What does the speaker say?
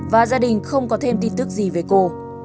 và gia đình không có thêm tin tức gì về cô